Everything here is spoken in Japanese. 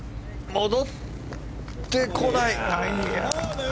戻ってこない。